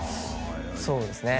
そうですね